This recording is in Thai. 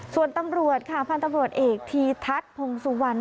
ส่วนตำรวจค่ะพันธุ์ตำรวจเอกทีทัศน์พงสุวรรณ